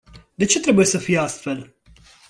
De ce trebuie să fie astfel?